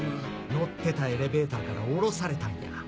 乗ってたエレベーターから降ろされたんや。